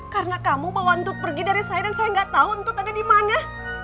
karena kamu bawa entut pergi dari saya dan saya gak tau entut ada dimana